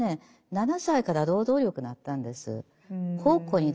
７歳から労働力になったんです。